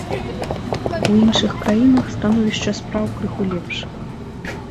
У іншых краінах становішча спраў крыху лепш.